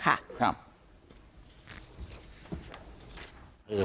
ครับ